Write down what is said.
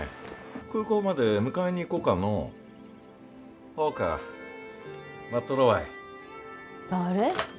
空港まで迎えに行こうかのうほうか待っとるわい誰？